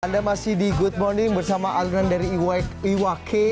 anda masih di good morning bersama alunan dari iwake